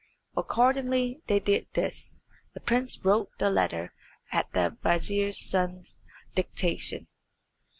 Accordingly they did this; the prince wrote the letter at the vizier's son's dictation.